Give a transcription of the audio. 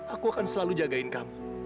aku akan selalu jagain kamu